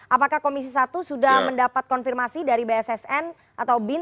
apakah komisi satu sudah mendapat konfirmasi dari bssn atau bin